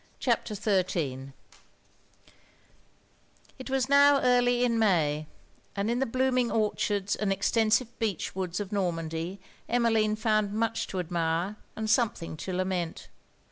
CHAPTER XIII It was now early in May; and in the blooming orchards and extensive beech woods of Normandy, Emmeline found much to admire and something to lament.